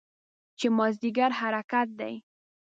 چې مازدیګر حرکت دی.